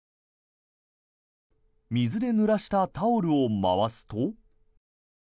水でぬらしたタオルを回すと。